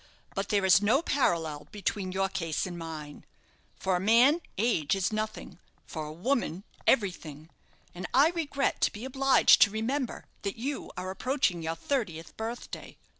But there is no parallel between your case and mine. For a man, age is nothing for a woman, everything; and I regret to be obliged to remember that you are approaching your thirtieth birthday.